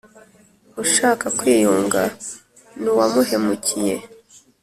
ushaka kwiyunga n’uwamuhemukiye